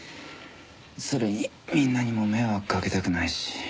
それにみんなにも迷惑かけたくないし。